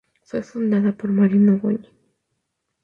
Fue fundada por Marino Goñi.